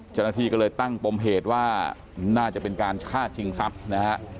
เจ้าหน้าที่ก็เลยตั้งปมเหตุว่าน่าจะเป็นการฆ่าชิงทรัพย์นะฮะ